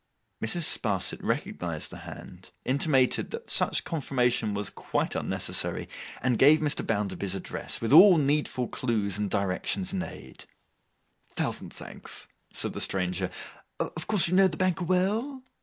Mrs. Sparsit recognized the hand, intimated that such confirmation was quite unnecessary, and gave Mr. Bounderby's address, with all needful clues and directions in aid. 'Thousand thanks,' said the stranger. 'Of course you know the Banker well?